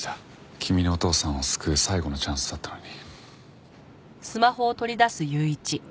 君のお父さんを救う最後のチャンスだったのに。